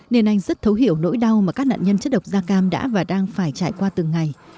nên anh rất thấu hiểu nỗi đau mà các nạn nhân chất độc da cam đã và đang phải trải qua từng ngày